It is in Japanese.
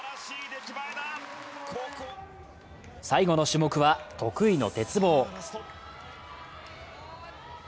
最後の種目は得意の鉄棒。